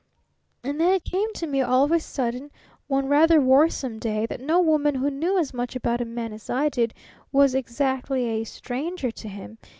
And then it came to me all of a sudden, one rather worrisome day, that no woman who knew as much about a man as I did was exactly a 'stranger' to him.